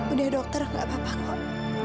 udah dokter gak apa apa kok